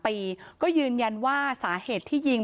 เพราะพ่อเชื่อกับจ้างหักข้าวโพด